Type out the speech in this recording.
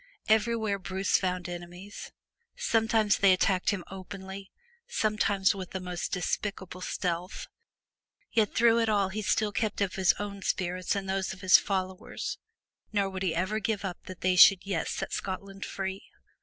Everywhere Bruce found enemies. Sometimes they attacked him openly, sometimes with the most despicable stealth. Yet through it all he still kept up his own spirits and those of his followers; nor would he ever give up hope that they should yet set Scotland free.